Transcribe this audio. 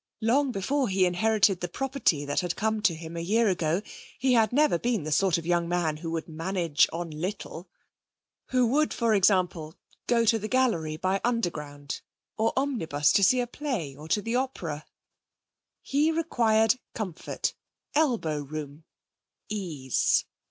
Long before he inherited the property that had come to him a year ago he had never been the sort of young man who would manage on little; who would, for example, go to the gallery by Underground or omnibus to see a play or to the opera. He required comfort, elbow room, ease.